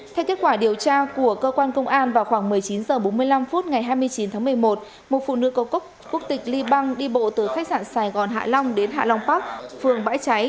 theo kết quả điều tra của cơ quan công an vào khoảng một mươi chín h bốn mươi năm phút ngày hai mươi chín tháng một mươi một một phụ nữ cầu cốc quốc tịch ly bang đi bộ từ khách sạn sài gòn hải long đến hải long park phường bãi cháy